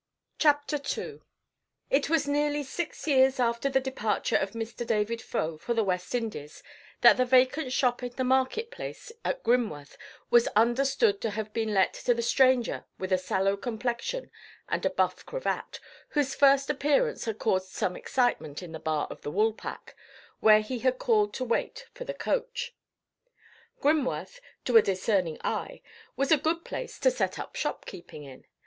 CHAPTER II It was nearly six years after the departure of Mr. David Faux for the West Indies, that the vacant shop in the market place at Grimworth was understood to have been let to the stranger with a sallow complexion and a buff cravat, whose first appearance had caused some excitement in the bar of the Woolpack, where he had called to wait for the coach. Grimworth, to a discerning eye, was a good place to set up shopkeeping in.